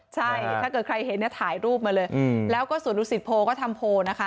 ใช่ถ้าเกิดใครเห็นถ่ายรูปมาเลยแล้วก็ส่วนรู้สิทธิ์โพลก็ทำโพลนะคะ